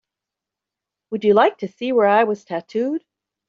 Would you like to see where I was tattooed?